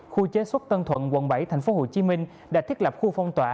khu chế xuất tân thuận quận bảy tp hcm đã thiết lập khu phong tỏa